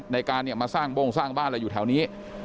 ในการมาสร้างโบ้งสร้างบ้านอะไรอยู่แถวนี้